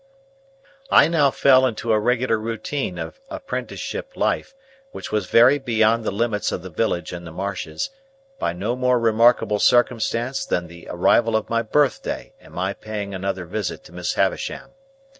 I now fell into a regular routine of apprenticeship life, which was varied beyond the limits of the village and the marshes, by no more remarkable circumstance than the arrival of my birthday and my paying another visit to Miss Havisham.